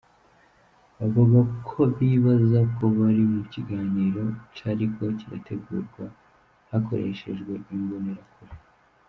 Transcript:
Bavuga ko bibaza ko bari mu kiganiro cariko kirategurwa hakoreshejwe imbonerakure.